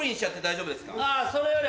あそれより。